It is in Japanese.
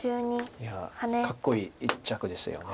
いやかっこいい一着ですよね